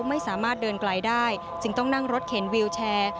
ไม่สามารถเดินไกลได้จึงต้องนั่งรถเข็นวิวแชร์